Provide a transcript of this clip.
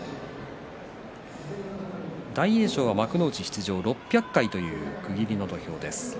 大栄翔は幕内出場６００回という区切りの土俵です。